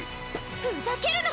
ふざけるな！